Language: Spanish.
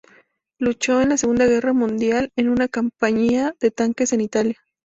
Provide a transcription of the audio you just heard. Luchó en la Segunda Guerra Mundial en una compañía de tanques en Italia.